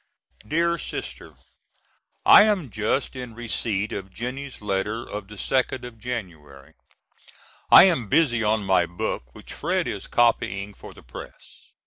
DEAR SISTER: I am just in receipt of Jennie's letter of the 2nd of January. I am busy on my book which Fred is copying for the press.